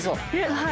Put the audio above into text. はい。